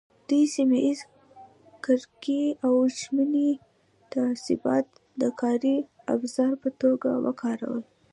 دوی سیمه ییزې کرکې او ژبني تعصبات د کاري ابزار په توګه وکارول.